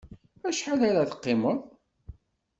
Acḥal ara teqqimeḍ?